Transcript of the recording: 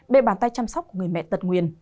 đề bàn tay chăm sóc của người mẹ tật nguyền